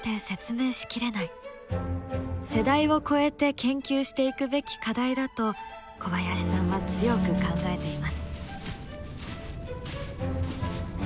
世代を超えて研究していくべき課題だと小林さんは強く考えています。